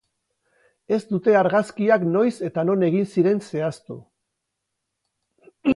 Ez dute argazkiak noiz eta non egin ziren zehaztu.